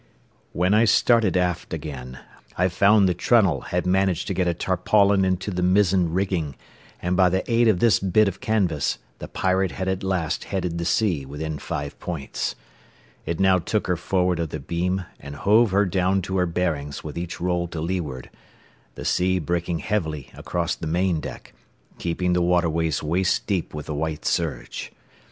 When I started aft again, I found that Trunnell had managed to get a tarpaulin into the mizzen rigging, and by the aid of this bit of canvas the Pirate had at last headed the sea within five points. It now took her forward of the beam and hove her down to her bearings with each roll to leeward, the sea breaking heavily across the main deck, keeping the waterways waist deep with the white surge.